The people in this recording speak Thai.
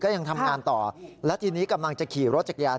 ยังทำงานต่อและทีนี้กำลังจะขี่รถจักรยาน